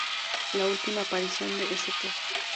La última aparición de St.